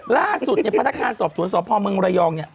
ล่าสุดเนี่ยพนักงานสอบสวนสพเมืองระยองเนี่ย